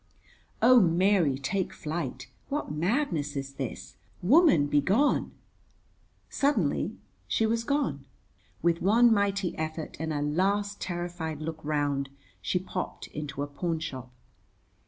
Oh, Mary, take flight. What madness is this? Woman, be gone. Suddenly she was gone. With one mighty effort and a last terrified look round, she popped into a pawnshop.